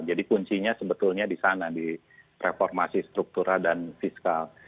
jadi kuncinya sebetulnya disana di reformasi struktural dan fiskal